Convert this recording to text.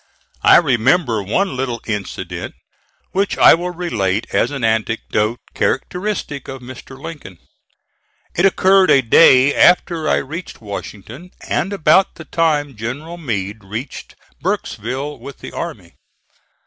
I remember one little incident which I will relate as an anecdote characteristic of Mr. Lincoln. It occurred a day after I reached Washington, and about the time General Meade reached Burkesville with the army.